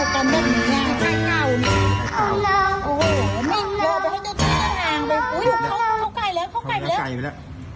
คุณชนะ